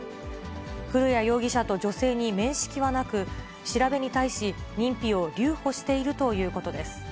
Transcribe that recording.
古屋容疑者と女性に面識はなく、調べに対し、認否を留保しているということです。